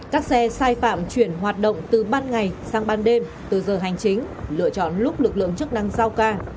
các xe sai phạm chuyển hoạt động từ ban ngày sang ban đêm từ giờ hành chính lựa chọn lúc lực lượng chức năng giao ca